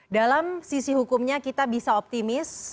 dalam sisi hukumnya kita bisa optimis